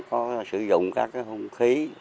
có sử dụng các hông khí